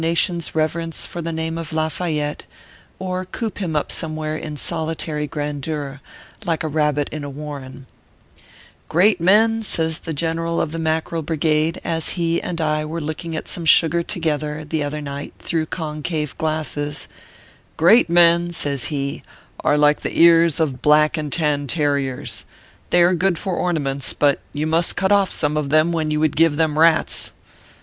249 nation s reverence for the name of Lafayette, or coop him up somewhere in solitary grandeur, like a rabbit in a Warren, "Great men," says the General of the Mackerel Brigade, as he and I were looking at some sugar together, the other nigh,t, through concave glasses "great men/ says he, "are like the ears of black and tan terriers ; they are good for ornaments, but you must cut off some of them when you would give them rats.